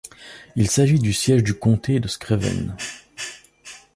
Il s'agit du siège du comté de Screven.